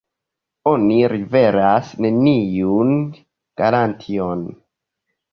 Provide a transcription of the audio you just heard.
Oni liveras neniun garantion.